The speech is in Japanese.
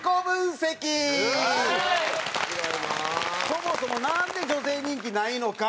そもそもなんで女性人気ないのか。